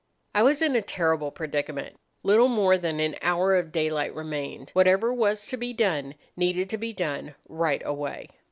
"I was in a terrible predicament. Little more than an hour of daylight remained. Whatever was to be done needed to be done right away.